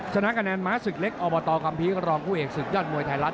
ชนะคะแนนม้าศึกเล็กอบตคัมภีร์รองผู้เอกศึกยอดมวยไทยรัฐ